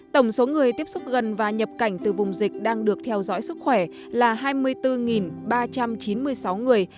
tổng số người tiếp xúc gần và nhập cảnh từ vùng dịch đang được theo dõi sức khỏe là hai mươi bốn ba trăm chín mươi sáu người